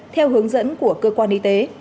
theo hướng dẫn của cơ quan y tế